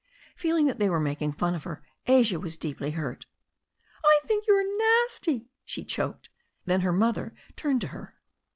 Feeling that they were making fun of her, Asia was deeply hurt. "I think you are nasty," she choked. Then her mother turned to her.